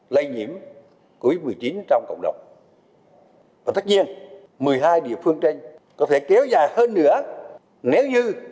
lây nhiễm covid một mươi chín trong cộng đồng và tất nhiên một mươi hai địa phương trên có thể kéo dài hơn nữa nếu như